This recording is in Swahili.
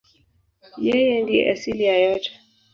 Yeye ndiye asili ya yote.